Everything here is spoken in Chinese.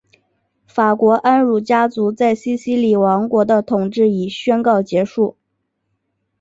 法国安茹家族在西西里王国的统治已宣告结束。